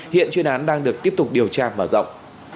hiện chuyên án đang được tiếp tục điều tra mở rộng